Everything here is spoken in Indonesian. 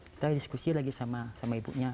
kita diskusi lagi sama ibunya